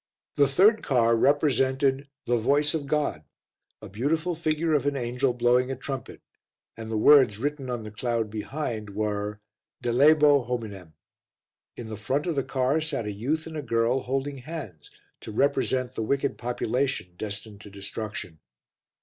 The third car represented The Voice of God, a beautiful figure of an Angel blowing a trumpet, and the words written on the cloud behind were "Delebo hominem." In the front of the car sat a youth and a girl holding hands to represent the wicked population destined to destruction.